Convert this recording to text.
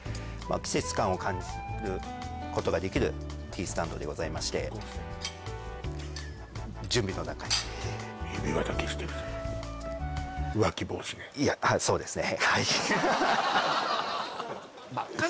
季節感を感じることができるティースタンドでございましてそうですね